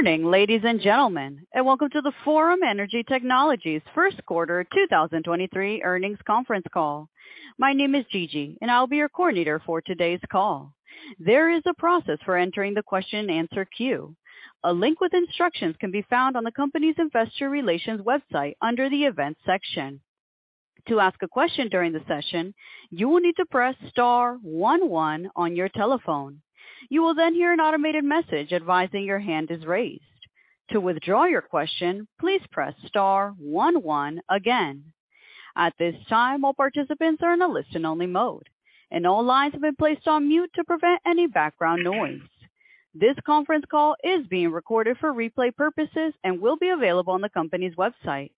Good morning, ladies and gentlemen, welcome to the Forum Energy Technologies first quarter 2023 earnings conference call. My name is Gigi, and I'll be your coordinator for today's call. There is a process for entering the question-and-answer queue. A link with instructions can be found on the company's investor relations website under the Events section. To ask a question during the session, you will need to press star one one on your telephone. You will then hear an automated message advising your hand is raised. To withdraw your question, please press star one one again. At this time, all participants are in a listen-only mode, and all lines have been placed on mute to prevent any background noise. This conference call is being recorded for replay purposes and will be available on the company's website.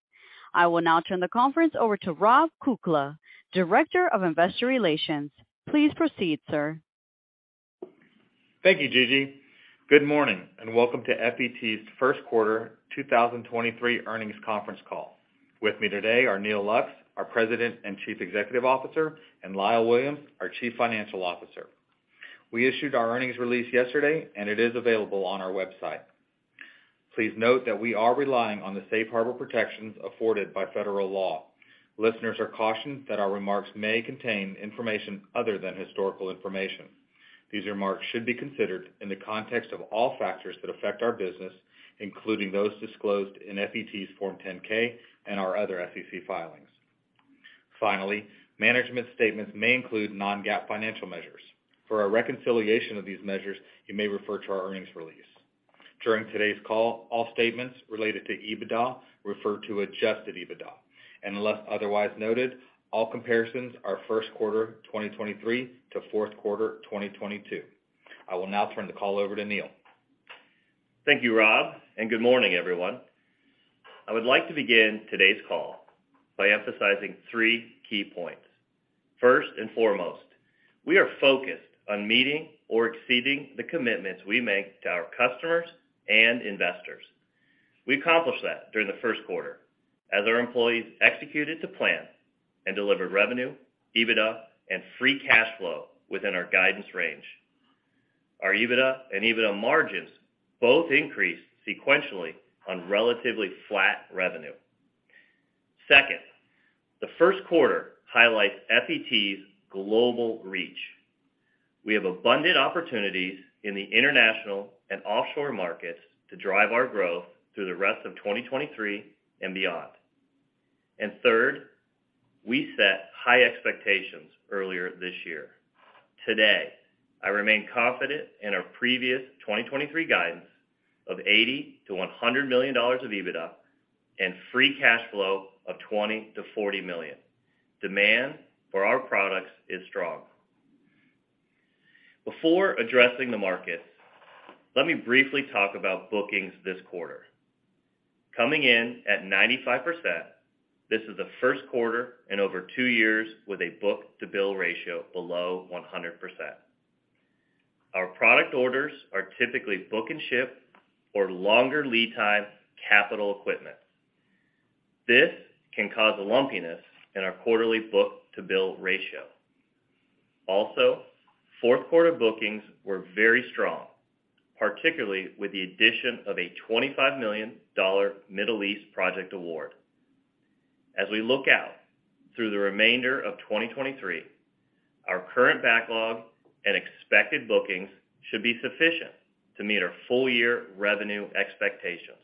I will now turn the conference over to Rob Kukla, Director of Investor Relations. Please proceed, sir. Thank you, Gigi. Good morning, and welcome to FET's first quarter 2023 earnings conference call. With me today are Neal Lux, our President and Chief Executive Officer, and Lyle Williams, our Chief Financial Officer. We issued our earnings release yesterday, and it is available on our website. Please note that we are relying on the safe harbor protections afforded by federal law. Listeners are cautioned that our remarks may contain information other than historical information. These remarks should be considered in the context of all factors that affect our business, including those disclosed in FET's Form 10-K and our other SEC filings. Finally, management statements may include non-GAAP financial measures. For a reconciliation of these measures, you may refer to our earnings release. During today's call, all statements related to EBITDA refer to adjusted EBITDA, unless otherwise noted, all comparisons are first quarter 2023 to fourth quarter 2022. I will now turn the call over to Neal. Thank you, Rob, and good morning, everyone. I would like to begin today's call by emphasizing three key points. First and foremost, we are focused on meeting or exceeding the commitments we make to our customers and investors. We accomplished that during the first quarter as our employees executed to plan and delivered revenue, EBITDA, and free cash flow within our guidance range. Our EBITDA and EBITDA margins both increased sequentially on relatively flat revenue. Second, the first quarter highlights FET's global reach. We have abundant opportunities in the international and offshore markets to drive our growth through the rest of 2023 and beyond. Third, we set high expectations earlier this year. Today, I remain confident in our previous 2023 guidance of $80 million-$100 million of EBITDA and free cash flow of $20 million-$40 million. Demand for our products is strong. Before addressing the market, let me briefly talk about bookings this quarter. Coming in at 95%, this is the first quarter in over two years with a book-to-bill ratio below 100%. Our product orders are typically book-and-ship or longer-lead-time capital equipment. This can cause a lumpiness in our quarterly book-to-bill ratio. Fourth quarter bookings were very strong, particularly with the addition of a $25 million Middle East project award. As we look out through the remainder of 2023, our current backlog and expected bookings should be sufficient to meet our full year revenue expectations.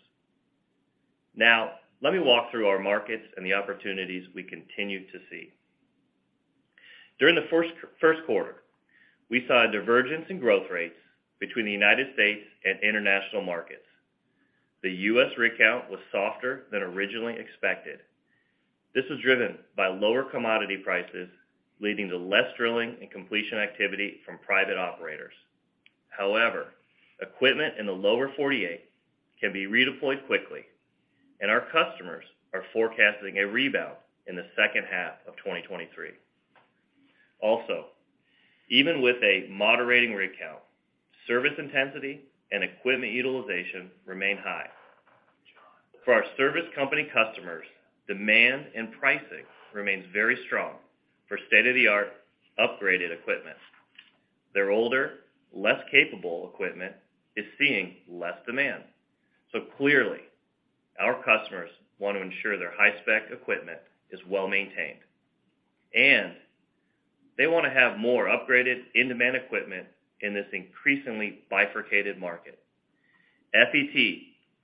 Let me walk through our markets and the opportunities we continue to see. During the first quarter, we saw a divergence in growth rates between the United States and international markets. The U.S. rig count was softer than originally expected. This was driven by lower commodity prices, leading to less drilling and completion activity from private operators. However, equipment in the Lower 48 can be redeployed quickly, and our customers are forecasting a rebound in the second half of 2023. Also, even with a moderating rig count, service intensity and equipment utilization remain high. For our service company customers, demand and pricing remains very strong for state-of-the-art upgraded equipment. Their older, less capable equipment is seeing less demand. Clearly, our customers want to ensure their high-spec equipment is well-maintained, and they wanna have more upgraded in-demand equipment in this increasingly bifurcated market. FET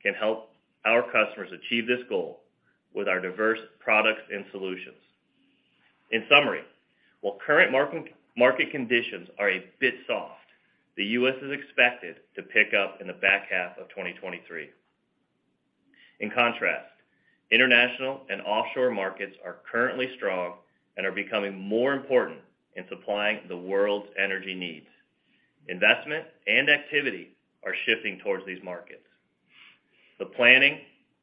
can help our customers achieve this goal with our diverse products and solutions. In summary, while current market conditions are a bit soft, the U.S. is expected to pick up in the back half of 2023. In contrast, international and offshore markets are currently strong and are becoming more important in supplying the world's energy needs. Investment and activity are shifting towards these markets. The planning,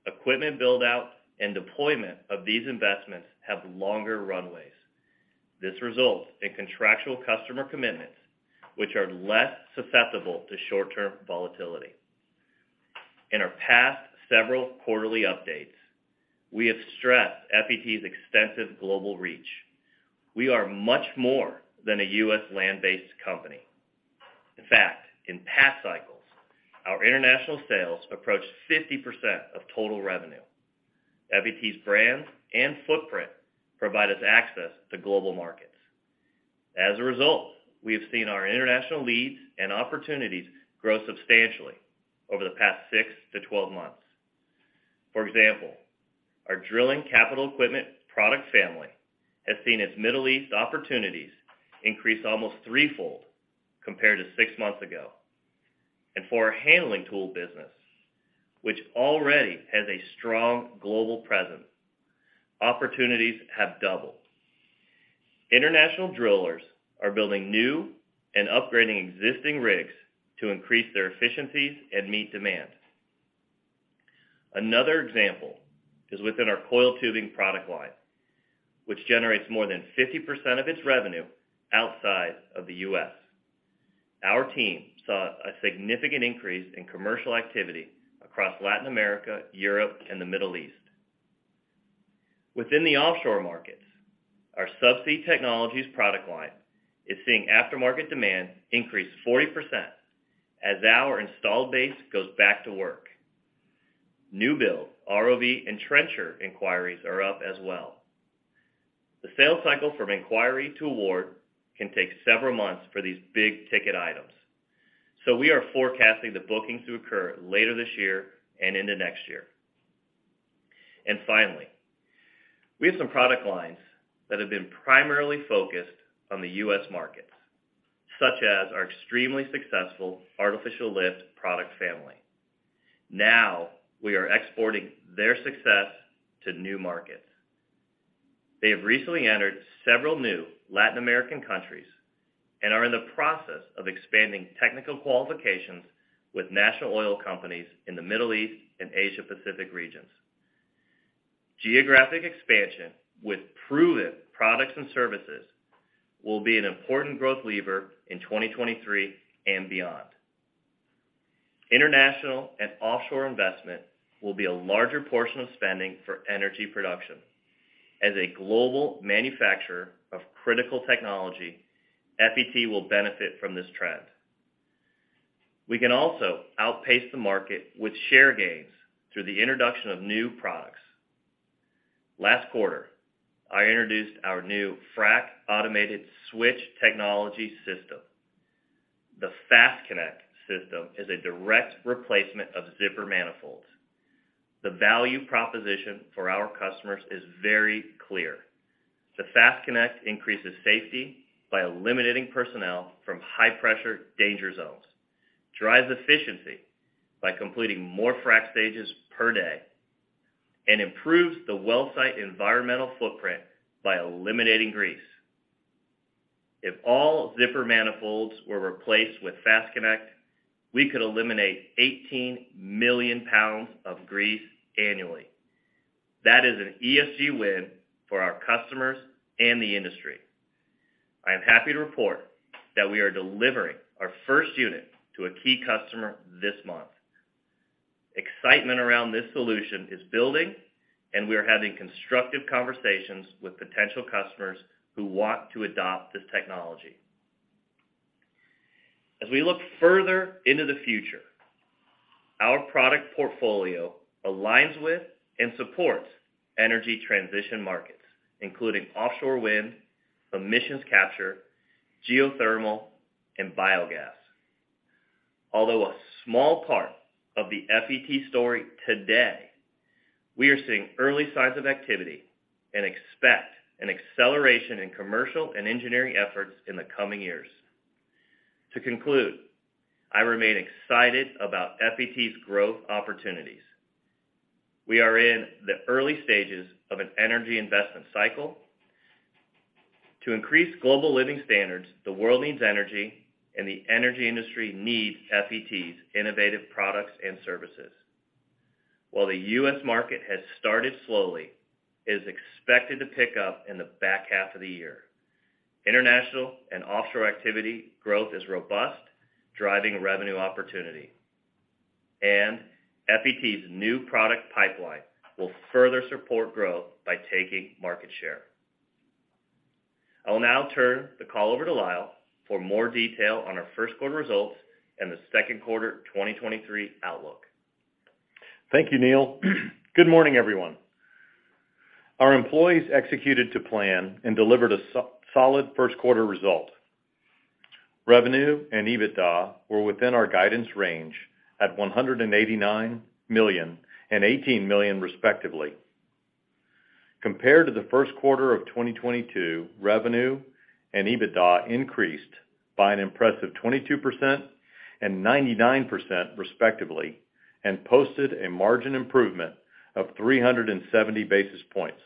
equipment build-out, and deployment of these investments have longer runways. This results in contractual customer commitments, which are less susceptible to short-term volatility. In our past several quarterly updates, we have stressed FET's extensive global reach. We are much more than a U.S. land-based company. In fact, in past cycles, our international sales approached 50% of total revenue. FET's brand and footprint provide us access to global markets. As a result, we have seen our international leads and opportunities grow substantially over the past six to 12 months. For example, our drilling capital equipment product family has seen its Middle East opportunities increase almost threefold compared to six months ago. For our handling tool business, which already has a strong global presence, opportunities have doubled. International drillers are building new and upgrading existing rigs to increase their efficiencies and meet demand. Another example is within our coiled tubing product line, which generates more than 50% of its revenue outside of the U.S. Our team saw a significant increase in commercial activity across Latin America, Europe, and the Middle East. Within the offshore markets, our Subsea Technologies product line is seeing aftermarket demand increase 40% as our installed base goes back to work. New-build ROV and trencher inquiries are up as well. The sales cycle from inquiry to award can take several months for these big-ticket items. We are forecasting the bookings to occur later this year and into next year. Finally, we have some product lines that have been primarily focused on the U.S. markets, such as our extremely successful artificial lift product family. Now we are exporting their success to new markets. They have recently entered several new Latin American countries and are in the process of expanding technical qualifications with national oil companies in the Middle East and Asia-Pacific regions. Geographic expansion with proven products and services will be an important growth lever in 2023 and beyond. International and offshore investment will be a larger portion of spending for energy production. As a global manufacturer of critical technology, FET will benefit from this trend. We can also outpace the market with share gains through the introduction of new products. Last quarter, I introduced our new Frac Automated Switch Technology system. The FASTConnect system is a direct replacement of zipper manifolds. The value proposition for our customers is very clear. The FASTConnect increases safety by eliminating personnel from high-pressure danger zones, drives efficiency by completing more frac stages per day, and improves the well site environmental footprint by eliminating grease. If all zipper manifolds were replaced with FASTConnect, we could eliminate 18 million lbs of grease annually. That is an ESG win for our customers and the industry. I am happy to report that we are delivering our first unit to a key customer this month. Excitement around this solution is building, and we are having constructive conversations with potential customers who want to adopt this technology. As we look further into the future, our product portfolio aligns with and supports energy transition markets, including offshore wind, emissions capture, geothermal, and biogas. Although a small part of the FET story today, we are seeing early signs of activity and expect an acceleration in commercial and engineering efforts in the coming years. To conclude, I remain excited about FET's growth opportunities. We are in the early stages of an energy investment cycle. To increase global living standards, the world needs energy, and the energy industry needs FET's innovative products and services. While the U.S. market has started slowly, it is expected to pick up in the back half of the year. International and offshore activity growth is robust, driving revenue opportunity, and FET's new product pipeline will further support growth by taking market share. I will now turn the call over to Lyle for more detail on our first quarter results and the second quarter 2023 outlook. Thank you, Neal. Good morning, everyone. Our employees executed to plan and delivered a so-solid first quarter result. Revenue and EBITDA were within our guidance range at $189 million and $18 million, respectively. Compared to the first quarter of 2022, revenue and EBITDA increased by an impressive 22% and 99%, respectively, and posted a margin improvement of 370 basis points.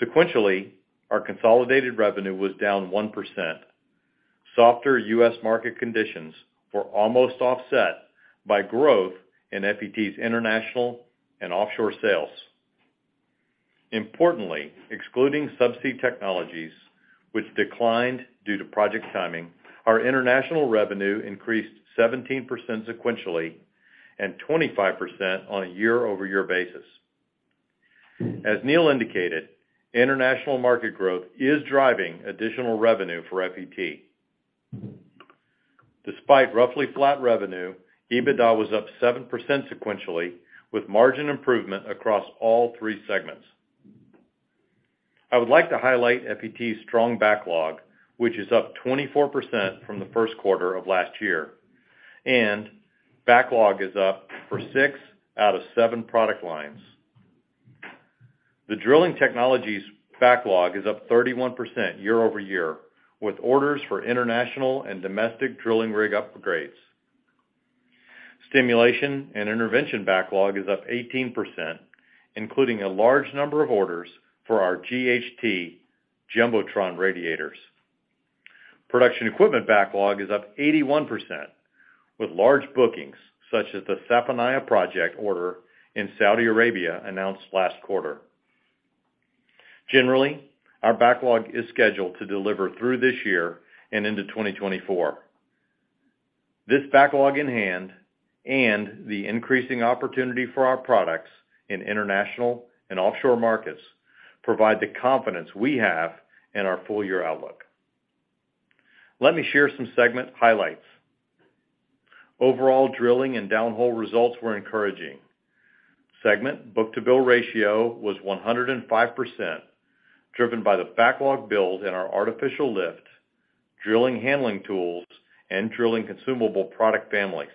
Sequentially, our consolidated revenue was down 1%. Softer U.S. market conditions were almost offset by growth in FET's international and offshore sales. Importantly, excluding Subsea Technologies, which declined due to project timing, our international revenue increased 17% sequentially and 25% on a year-over-year basis. As Neal indicated, international market growth is driving additional revenue for FET. Despite roughly flat revenue, EBITDA was up 7% sequentially, with margin improvement across all three segments. I would like to highlight FET's strong backlog, which is up 24% from the first quarter of last year. Backlog is up for six out of seven product lines. The Drilling Technologies backlog is up 31% year-over-year, with orders for international and domestic drilling rig upgrades. Stimulation and Intervention backlog is up 18%, including a large number of orders for our GHT Jumbotron radiators. Production Equipment backlog is up 81%, with large bookings such as the Safaniya project order in Saudi Arabia announced last quarter. Generally, our backlog is scheduled to deliver through this year and into 2024. This backlog in hand and the increasing opportunity for our products in international and offshore markets provide the confidence we have in our full year outlook. Let me share some segment highlights. Overall Drilling & Downhole results were encouraging. Segment book-to-bill ratio was 105%, driven by the backlog build in our artificial lift, drilling handling tools, and drilling consumable product families.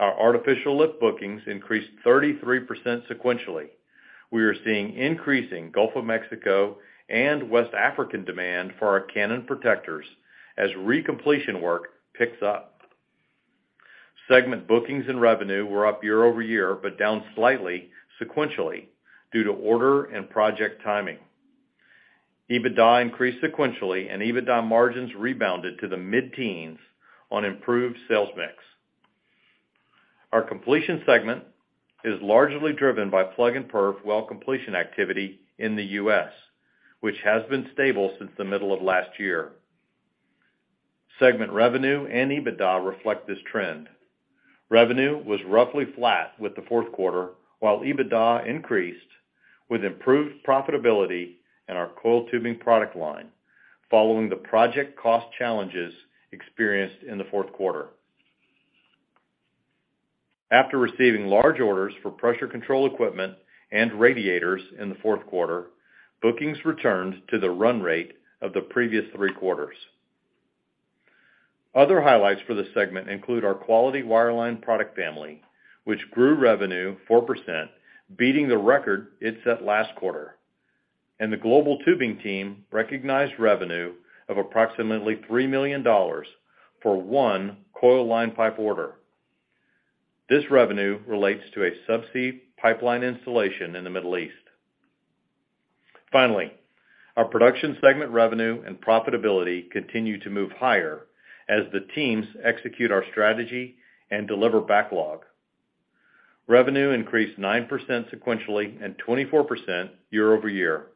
Our artificial lift bookings increased 33% sequentially. We are seeing increasing Gulf of Mexico and West African demand for our Cannon protectors as recompletion work picks up. Segment bookings and revenue were up year-over-year, but down slightly sequentially due to order and project timing. EBITDA increased sequentially, and EBITDA margins rebounded to the mid-teens on improved sales mix. Our Completion segment is largely driven by plug-and-perf well completion activity in the U.S., which has been stable since the middle of last year. Segment revenue and EBITDA reflect this trend. Revenue was roughly flat with the fourth quarter, while EBITDA increased with improved profitability in our coiled tubing product line following the project cost challenges experienced in the fourth quarter. After receiving large orders for pressure control equipment and radiators in the fourth quarter, bookings returned to the run rate of the previous three quarters. Other highlights for this segment include our Quality Wireline product family, which grew revenue 4%, beating the record it set last quarter. The Global Tubing team recognized revenue of approximately $3 million for one coiled line pipe order. This revenue relates to a subsea pipeline installation in the Middle East. Our Production segment revenue and profitability continue to move higher as the teams execute our strategy and deliver backlog. Revenue increased 9% sequentially and 24% year-over-year,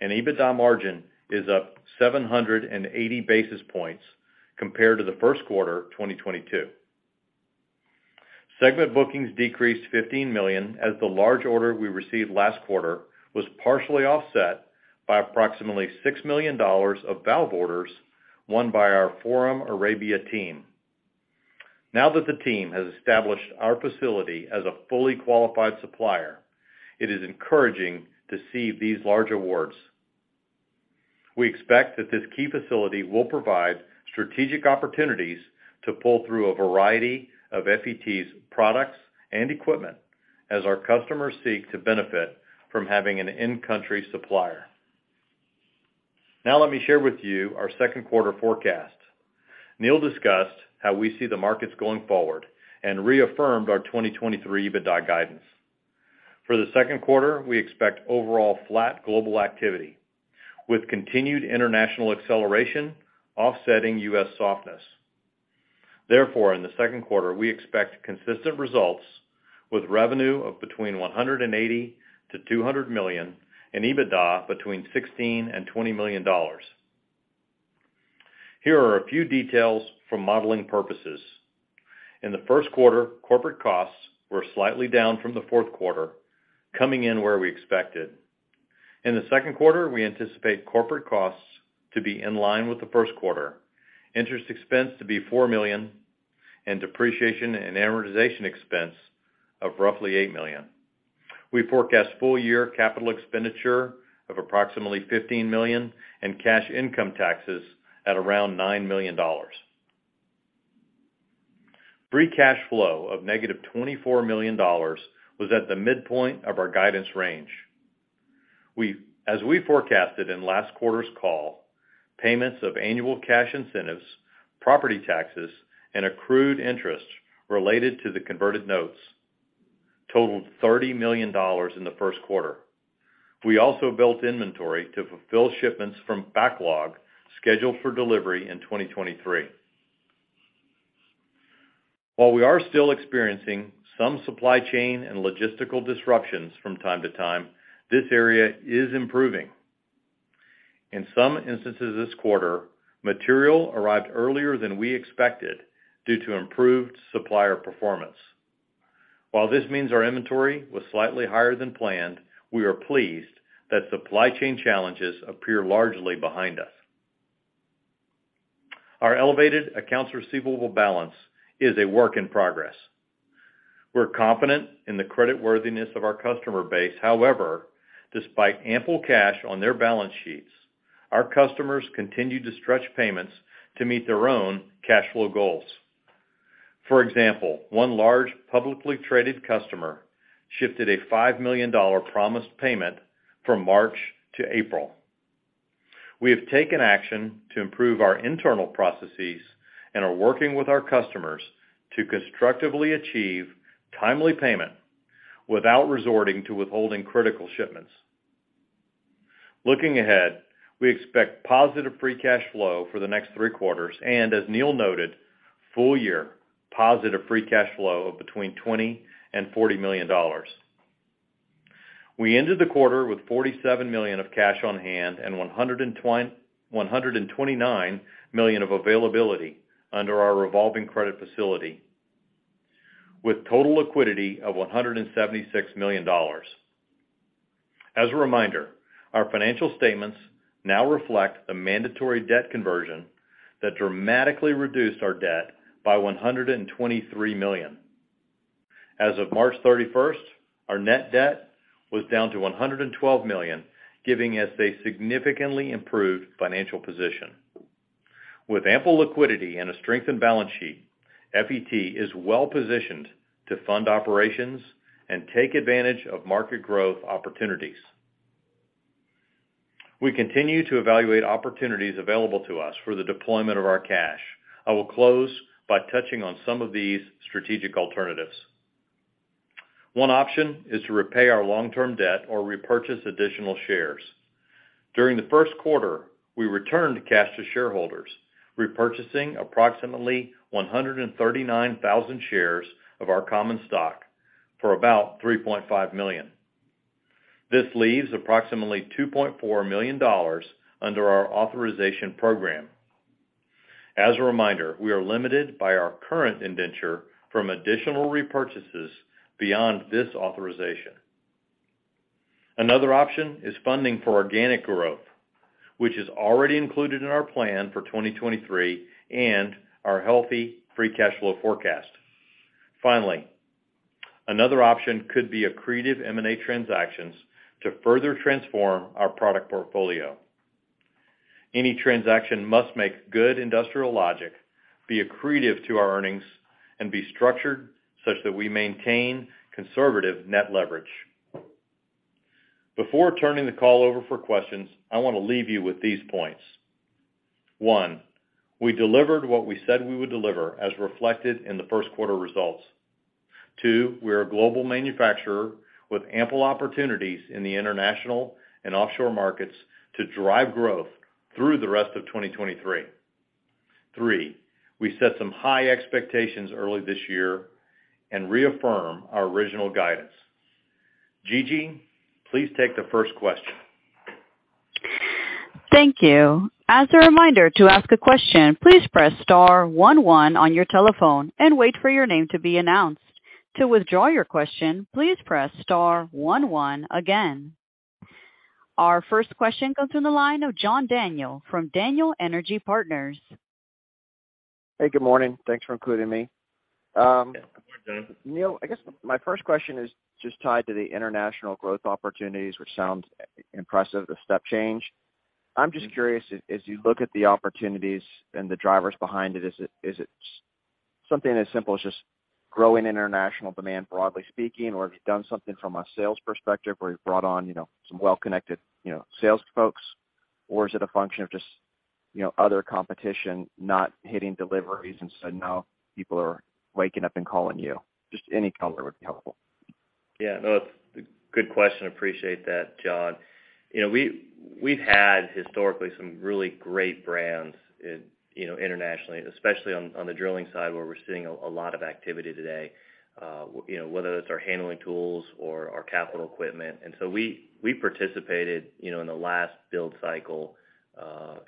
and EBITDA margin is up 780 basis points compared to the first quarter of 2022. Segment bookings decreased $15 million, as the large order we received last quarter was partially offset by approximately $6 million of valve orders won by our Forum Arabia team. Now that the team has established our facility as a fully qualified supplier, it is encouraging to see these large awards. We expect that this key facility will provide strategic opportunities to pull through a variety of FET's products and equipment as our customers seek to benefit from having an in-country supplier. Now let me share with you our second quarter forecast. Neal discussed how we see the markets going forward and reaffirmed our 2023 EBITDA guidance. For the second quarter, we expect overall flat global activity with continued international acceleration offsetting U.S. softness. In the second quarter, we expect consistent results with revenue of between $180 million-$200 million and EBITDA between $16 million-$20 million. Here are a few details for modeling purposes. In the first quarter, corporate costs were slightly down from the fourth quarter, coming in where we expected. In the second quarter, we anticipate corporate costs to be in line with the first quarter, interest expense to be $4 million, and depreciation and amortization expense of roughly $8 million. We forecast full year capital expenditure of approximately $15 million and cash income taxes at around $9 million. Free cash flow of -$24 million was at the midpoint of our guidance range. As we forecasted in last quarter's call, payments of annual cash incentives, property taxes, and accrued interest related to the converted notes totaled $30 million in the first quarter. We also built inventory to fulfill shipments from backlog scheduled for delivery in 2023. While we are still experiencing some supply chain and logistical disruptions from time to time, this area is improving. In some instances this quarter, material arrived earlier than we expected due to improved supplier performance. While this means our inventory was slightly higher than planned, we are pleased that supply chain challenges appear largely behind us. Our elevated accounts receivable balance is a work in progress. We're confident in the creditworthiness of our customer base. However, despite ample cash on their balance sheets, our customers continue to stretch payments to meet their own cash flow goals. For example, one large publicly traded customer shifted a $5 million promised payment from March to April. We have taken action to improve our internal processes and are working with our customers to constructively achieve timely payment without resorting to withholding critical shipments. Looking ahead, we expect positive free cash flow for the next three quarters, and as Neal noted, full year positive free cash flow of between $20 million and $40 million. We ended the quarter with $47 million of cash on hand and $129 million of availability under our revolving credit facility with total liquidity of $176 million. As a reminder, our financial statements now reflect the mandatory debt conversion that dramatically reduced our debt by $123 million. As of March 31st, our net debt was down to $112 million, giving us a significantly improved financial position. With ample liquidity and a strengthened balance sheet, FET is well positioned to fund operations and take advantage of market growth opportunities. We continue to evaluate opportunities available to us for the deployment of our cash. I will close by touching on some of these strategic alternatives. One option is to repay our long-term debt or repurchase additional shares. During the first quarter, we returned cash to shareholders, repurchasing approximately 139,000 shares of our common stock for about $3.5 million. This leaves approximately $2.4 million under our authorization program. As a reminder, we are limited by our current indenture from additional repurchases beyond this authorization. Another option is funding for organic growth, which is already included in our plan for 2023 and our healthy free cash flow forecast. Finally, another option could be accretive M&A transactions to further transform our product portfolio. Any transaction must make good industrial logic, be accretive to our earnings, and be structured such that we maintain conservative net leverage. Before turning the call over for questions, I wanna leave you with these points. 1. We delivered what we said we would deliver as reflected in the first quarter results. 2. We're a global manufacturer with ample opportunities in the international and offshore markets to drive growth through the rest of 2023. 3. We set some high expectations early this year and reaffirm our original guidance. Gigi, please take the first question. Thank you. As a reminder to ask a question, please press star one one on your telephone and wait for your name to be announced. To withdraw your question, please press star one one again. Our first question comes from the line of John Daniel from Daniel Energy Partners. Hey, good morning. Thanks for including me. Good morning, John. Neal, I guess my first question is just tied to the international growth opportunities, which sounds impressive, the step change. I'm just curious, as you look at the opportunities and the drivers behind it, is it something as simple as just growing international demand, broadly speaking? Have you done something from a sales perspective where you've brought on, you know, some well-connected, you know, sales folks? Is it a function of just, you know, other competition not hitting deliveries, and so now people are waking up and calling you? Just any color would be helpful. Yeah. No, it's a good question. Appreciate that, John. You know, we've had historically some really great brands in, internationally, especially on the drilling side where we're seeing a lot of activity today, you know, whether that's our handling tools or our capital equipment. We participated, you know, in the last build cycle,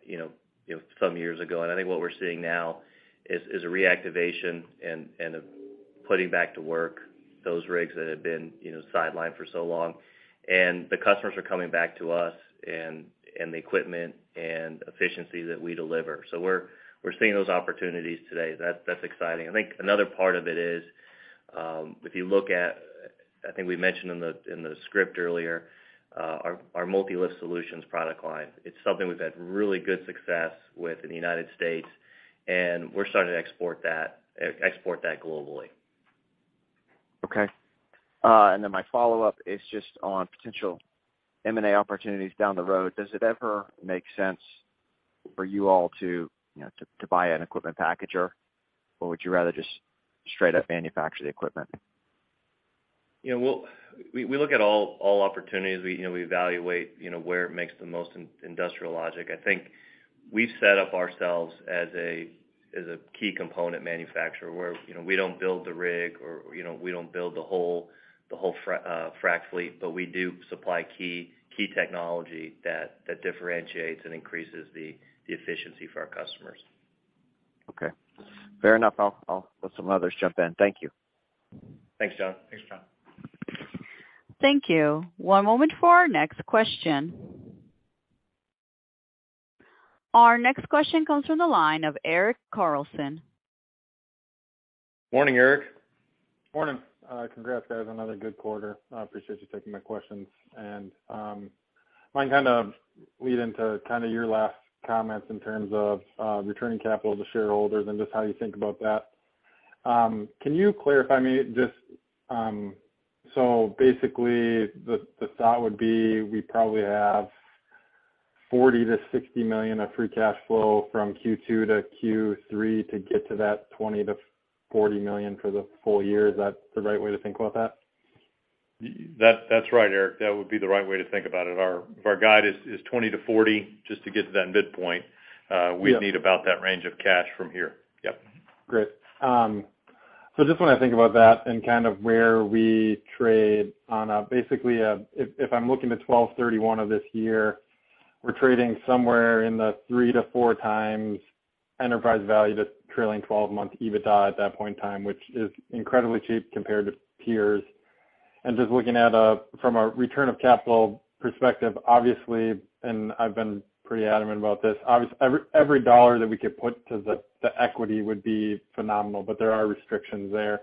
you know, some years ago. I think what we're seeing now is a reactivation and a putting back to work those rigs that have been, you know, sidelined for so long. The customers are coming back to us and the equipment and efficiency that we deliver. We're seeing those opportunities today. That's exciting. I think another part of it is, if you look at, I think we mentioned in the script earlier, our Multilift Solutions product line. It's something we've had really good success with in the United States, and we're starting to export that globally. Okay. My follow-up is just on potential M&A opportunities down the road. Does it ever make sense for you all to, you know, to buy an equipment packager, or would you rather just straight up manufacture the equipment? You know, we look at all opportunities. We, you know, we evaluate, you know, where it makes the most industrial logic. I think we've set up ourselves as a key component manufacturer, where, you know, we don't build the rig or, you know, we don't build the whole frac fleet, but we do supply key technology that differentiates and increases the efficiency for our customers. Okay. Fair enough. I'll let some others jump in. Thank you. Thanks, John. Thanks, John. Thank you. One moment for our next question. Our next question comes from the line of Eric Carlson. Morning, Eric. Morning. Congrats guys, another good quarter. I appreciate you taking my questions. Mine kind of lead into kind of your last comments in terms of returning capital to shareholders and just how you think about that. Can you clarify me just, basically, the thought would be we probably have $40 million-$60 million of free cash flow from Q2 to Q3 to get to that $20 million-$40 million for the full year. Is that the right way to think about that? That's right, Eric. That would be the right way to think about it. If our guide is $20 million-$40 million just to get to that midpoint. Yeah. We'd need about that range of cash from here. Yep. Great. Just when I think about that and kind of where we trade on a, If I'm looking to 12/31 of this year, we're trading somewhere in the 3x-4x enterprise value to trailing 12-month EBITDA at that point in time, which is incredibly cheap compared to peers. Just looking at, from a return of capital perspective, obviously, and I've been pretty adamant about this, every dollar that we could put to the equity would be phenomenal, but there are restrictions there.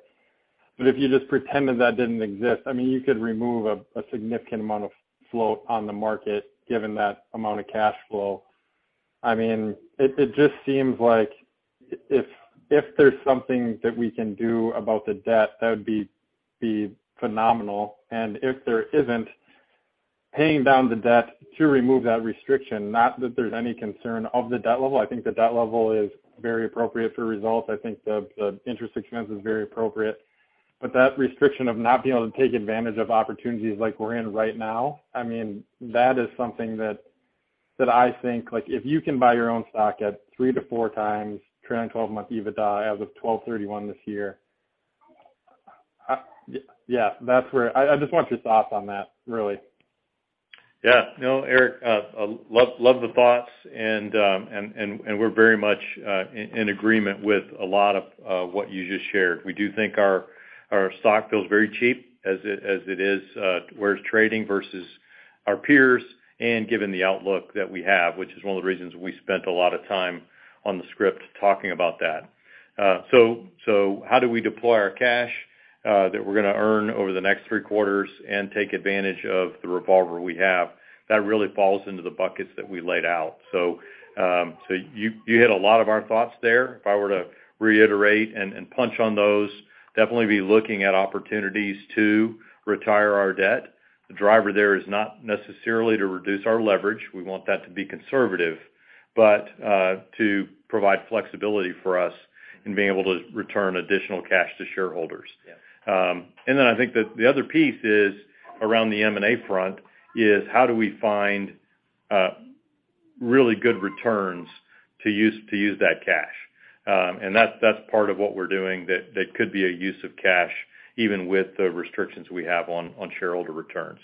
If you just pretended that didn't exist, I mean, you could remove a significant amount of float on the market given that amount of cash flow. I mean, it just seems like if there's something that we can do about the debt, that would be phenomenal. If there isn't, paying down the debt to remove that restriction, not that there's any concern of the debt level, I think the debt level is very appropriate for results. I think the interest expense is very appropriate. That restriction of not being able to take advantage of opportunities like we're in right now, I mean, that is something that I think, like, if you can buy your own stock at 3x-4x trailing 12-month EBITDA as of 12/31 this year, yeah, that's where I just want your thoughts on that, really. No, Eric, love the thoughts and we're very much in agreement with a lot of what you just shared. We do think our stock feels very cheap as it is where it's trading versus our peers and given the outlook that we have, which is one of the reasons we spent a lot of time on the script talking about that. How do we deploy our cash that we're gonna earn over the next three quarters and take advantage of the revolver we have? That really falls into the buckets that we laid out. You hit a lot of our thoughts there. If I were to reiterate and punch on those, definitely be looking at opportunities to retire our debt. The driver there is not necessarily to reduce our leverage, we want that to be conservative, but to provide flexibility for us in being able to return additional cash to shareholders. Yeah. I think that the other piece is around the M&A front, is how do we find really good returns to use that cash? That's part of what we're doing that could be a use of cash, even with the restrictions we have on shareholder returns.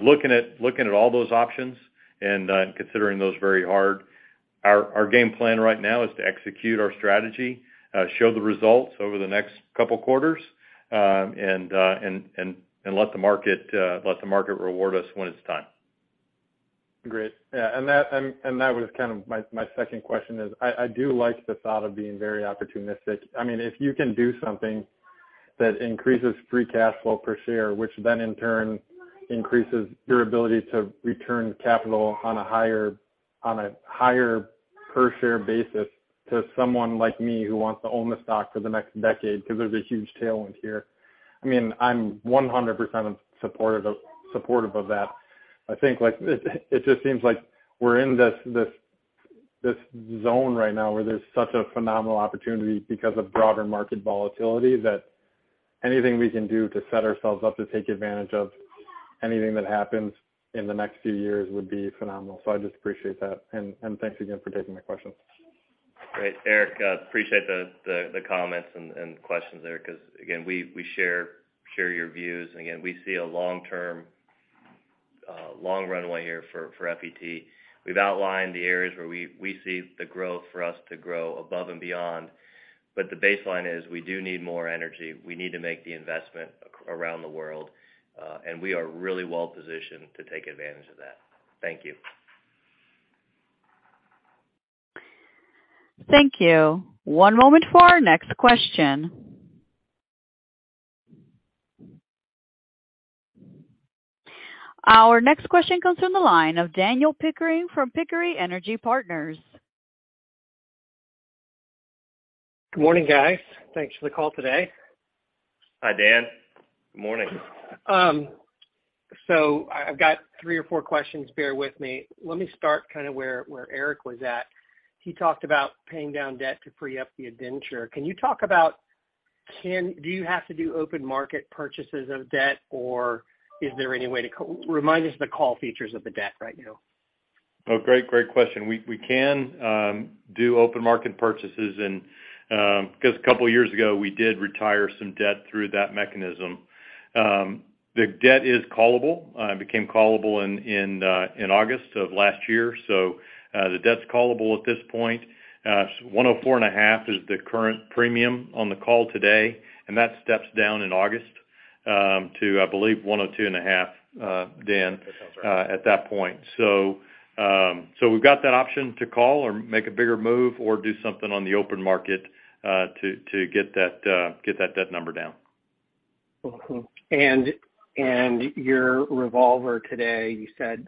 Looking at all those options and considering those very hard, our game plan right now is to execute our strategy, show the results over the next couple quarters, and let the market reward us when it's time. Great. Yeah, that was kind of my second question is I do like the thought of being very opportunistic. I mean, if you can do something that increases free cash flow per share, which then in turn increases your ability to return capital on a higher per share basis to someone like me who wants to own the stock for the next decade, because there's a huge tailwind here. I mean, I'm 100% supportive of that. I think like, it just seems like we're in this zone right now where there's such a phenomenal opportunity because of broader market volatility that anything we can do to set ourselves up to take advantage of anything that happens in the next few years would be phenomenal. I just appreciate that. Thanks again for taking my questions. Great, Eric. Appreciate the comments and questions there because, again, we share your views. Again, we see a long-term long runway here for FET. We've outlined the areas where we see the growth for us to grow above and beyond. The baseline is we do need more energy. We need to make the investment around the world, we are really well positioned to take advantage of that. Thank you. Thank you. One moment for our next question. Our next question comes from the line of Dan Pickering from Pickering Energy Partners. Good morning, guys. Thanks for the call today. Hi, Dan. Good morning. I've got three or four questions. Bear with me. Let me start kind of where Eric was at. He talked about paying down debt to free up the indenture. Can you talk about do you have to do open-market purchases of debt, or is there any way to remind us the call features of the debt right now? Great question. We can do open-market purchases and because two years ago, we did retire some debt through that mechanism. The debt is callable. It became callable in August of last year. The debt's callable at this point. 104.5 is the current premium on the call today, and that steps down in August to, I believe, 102.5. That sounds right.... at that point. We've got that option to call or make a bigger move or do something on the open-market, to get that debt number down. Mm-hmm. Your revolver today. Can't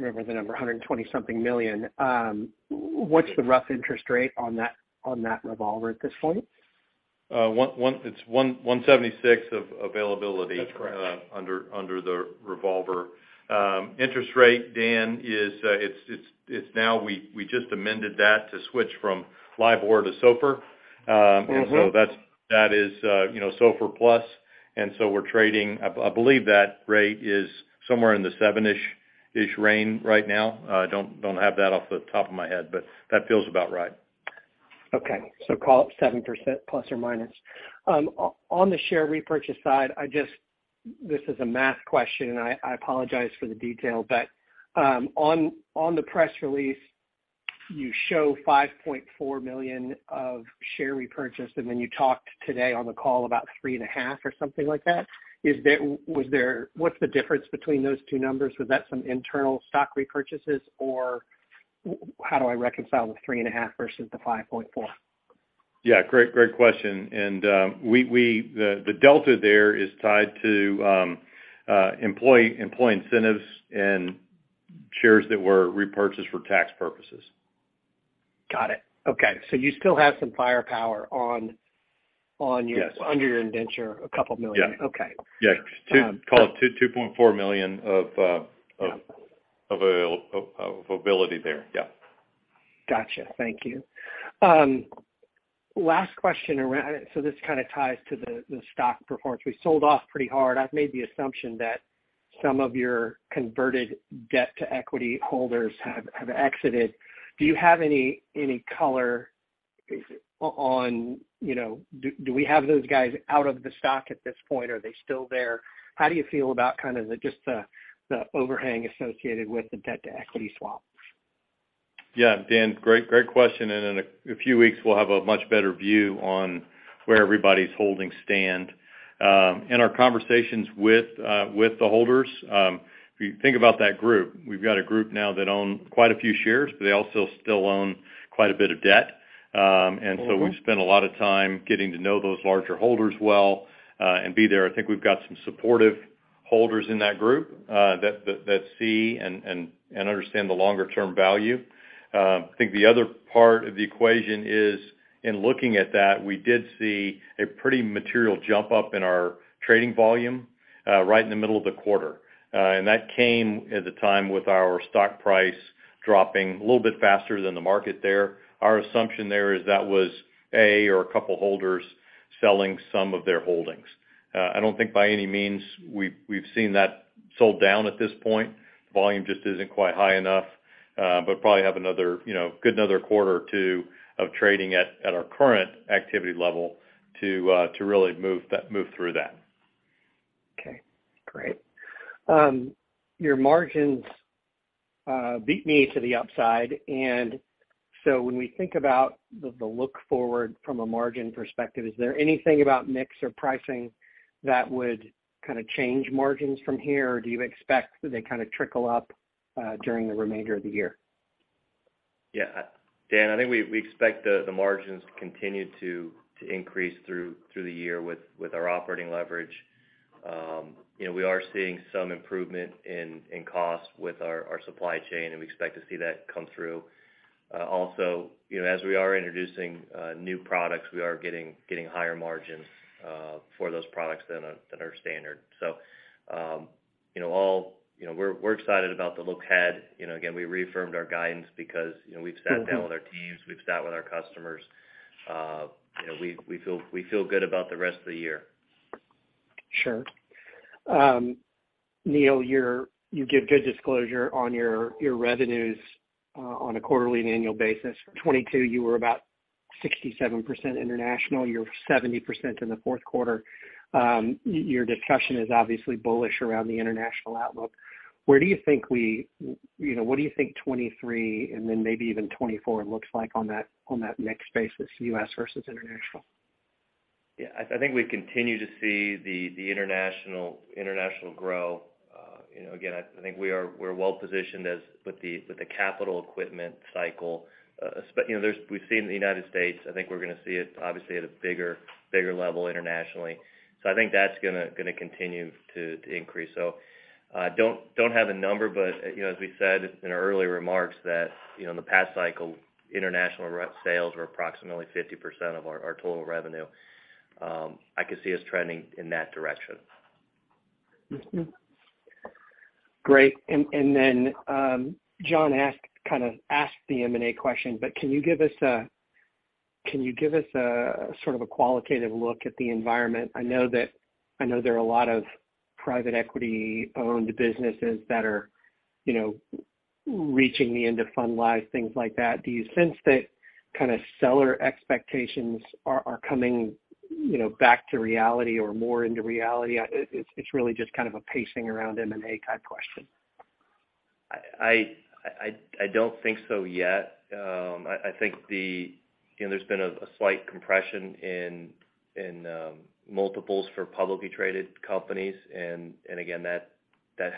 remember the number, $120-something million. What's the rough interest rate on that revolver at this point? It's $176 million of availability. That's correct. under the revolver. Interest rate, Dan, is it's now we just amended that to switch from LIBOR to SOFR. Mm-hmm... and so that is, you know, SOFR plus. I believe that rate is somewhere in the seven-ish range right now. Don't have that off the top of my head, but that feels about right. Call it 7%±. On the share repurchase side, this is a math question, and I apologize for the detail. On the press release, you show $5.4 million of share repurchase, and then you talked today on the call about $3.5 million or something like that. What's the difference between those two numbers? Was that some internal stock repurchases, or how do I reconcile the $3.5 million versus the $5.4 million? Yeah, great question. The delta there is tied to employee incentives and shares that were repurchased for tax purposes. Got it. Okay. You still have some firepower on your. Yes... under your indenture, a couple million. Yeah. Okay. Yeah. Um- Call it $2.4 million of. Yeah of availability there. Yeah. Gotcha. Thank you. This kinda ties to the stock performance. We sold off pretty hard. I've made the assumption that some of your converted debt-to-equity holders have exited. Do you have any color on, you know... Do we have those guys out of the stock at this point? Are they still there? How do you feel about kind of the overhang associated with the debt-to-equity swap? Yeah. Dan, great question. In a few weeks, we'll have a much better view on where everybody's holding stand. In our conversations with the holders, if you think about that group, we've got a group now that own quite a few shares, but they also still own quite a bit of debt. Mm-hmm we've spent a lot of time getting to know those larger holders well, and be there. I think we've got some supportive holders in that group, that see and understand the longer-term value. I think the other part of the equation is in looking at that, we did see a pretty material jump up in our trading volume, right in the middle of the quarter. That came at the time with our stock price dropping a little bit faster than the market there. Our assumption there is that was a couple holders selling some of their holdings. I don't think by any means we've seen that sold down at this point. Volume just isn't quite high enough, probably have another, you know, good another quarter or 2 of trading at our current activity level to really move through that. Okay. Great. your margins beat me to the upside. When we think about the look forward from a margin perspective, is there anything about mix or pricing that would kinda change margins from here? Do you expect that they kinda trickle up during the remainder of the year? Yeah. Dan, I think we expect the margins to continue to increase through the year with our operating leverage. You know, we are seeing some improvement in costs with our supply chain, and we expect to see that come through. Also, you know, as we are introducing new products, we are getting higher margins for those products than our standard. You know, we're excited about the look ahead. You know, again, we reaffirmed our guidance because, you know, we've sat down- Mm-hmm... with our teams, we've sat with our customers. you know, we feel good about the rest of the year. Sure. Neal, you give good disclosure on your revenues on a quarterly and annual basis. 2022, you were about 67% international. You're 70% in the fourth quarter. Your discussion is obviously bullish around the international outlook. You know, what do you think 2023 and then maybe even 2024 looks like on that, on that mix basis, U.S. versus international? Yeah. I think we continue to see the international grow. you know, again, I think we're well positioned as with the capital equipment cycle. you know, we've seen the United States, I think we're gonna see it obviously at a bigger level internationally. I think that's gonna continue to increase. don't have a number, but, you know, as we said in our earlier remarks that, you know, in the past cycle, international sales were approximately 50% of our total revenue. I could see us trending in that direction. Great. John asked the M&A question. Can you give us a sort of a qualitative look at the environment? I know there are a lot of private equity-owned businesses that are, you know, reaching the end of fund life, things like that. Do you sense that kinda seller expectations are coming, you know, back to reality or more into reality? It's really just kind of a pacing around M&A type question. I don't think so yet. I think, you know, there's been a slight compression in multiples for publicly traded companies and again, that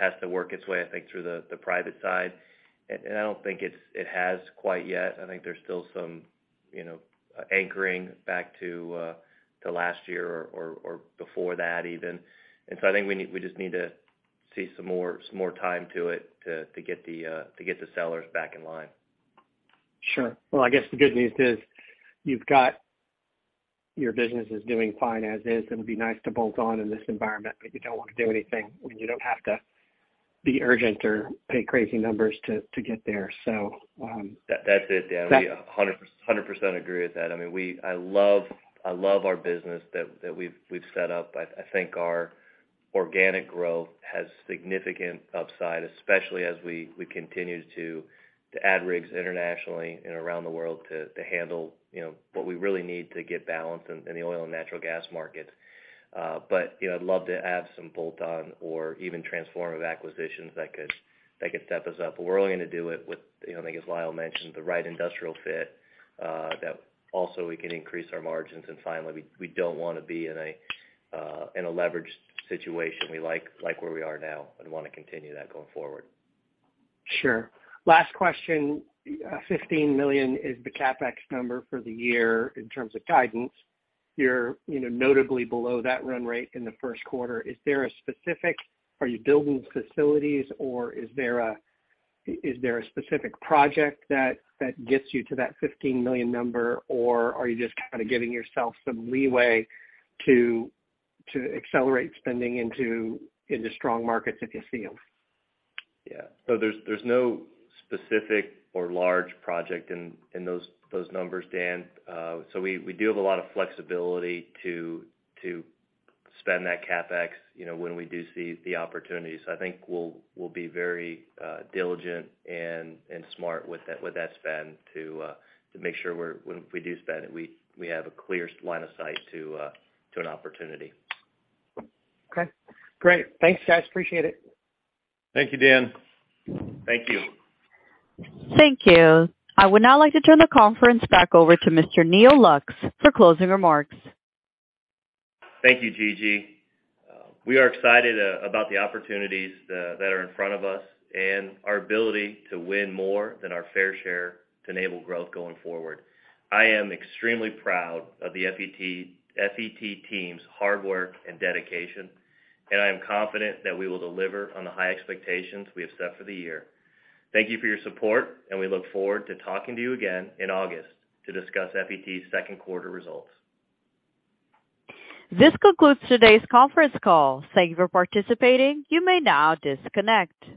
has to work its way, I think, through the private side. I don't think it has quite yet. I think there's still some, you know, anchoring back to last year or before that even. I think we just need to see some more time to get the sellers back in line. Sure. I guess the good news is you've got your businesses doing fine as is. It would be nice to bolt on in this environment. You don't want to do anything when you don't have to be urgent or pay crazy numbers to get there. That's it, Dan. We 100% agree with that. I mean, I love our business that we've set up. I think our organic growth has significant upside, especially as we continue to add rigs internationally and around the world to handle, you know, what we really need to get balance in the oil and natural gas markets. You know, I'd love to add some bolt-on or even transformative acquisitions that could step us up. We're only gonna do it with, you know, I think as Lyle mentioned, the right industrial fit, that also we can increase our margins. Finally, we don't wanna be in a leveraged situation. We like where we are now and wanna continue that going forward. Sure. Last question. $15 million is the CapEx number for the year in terms of guidance. You're, you know, notably below that run rate in the first quarter. Are you building facilities or is there a specific project that gets you to that $15 million number, or are you just kinda giving yourself some leeway to accelerate spending into strong markets if you see them? There's no specific or large project in those numbers, Dan. We do have a lot of flexibility to spend that CapEx, you know, when we do see the opportunities. I think we'll be very diligent and smart with that spend to make sure we're, when we do spend it, we have a clear line of sight to an opportunity. Okay, great. Thanks, guys. Appreciate it. Thank you, Dan. Thank you. Thank you. I would now like to turn the conference back over to Mr. Neal Lux for closing remarks. Thank you, Gigi. We are excited about the opportunities that are in front of us and our ability to win more than our fair share to enable growth going forward. I am extremely proud of the FET team's hard work and dedication, and I am confident that we will deliver on the high expectations we have set for the year. Thank you for your support. We look forward to talking to you again in August to discuss FET's second quarter results. This concludes today's conference call. Thank you for participating. You may now disconnect.